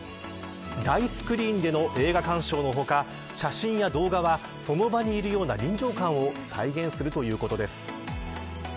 大スクリーンでの映画鑑賞の他写真や動画はその場にいるような臨場感を再現するということです。